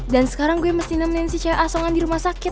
dan sekarang gue mesti nemenin si cewek asongan di rumah sakit